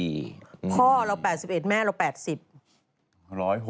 พ่อเรา๘๑แม่เรา๘๐